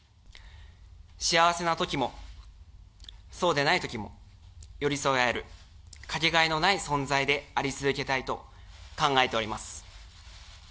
幸せなときも、そうでないときも寄り添い合える、掛けがえのない存在であり続けたいと考えております。